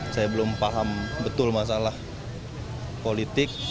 saya belum paham betul masalah politik